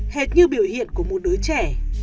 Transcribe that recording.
hệt như biểu hiện của một đứa trẻ